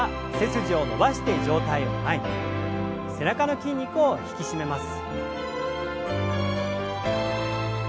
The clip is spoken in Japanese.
背中の筋肉を引き締めます。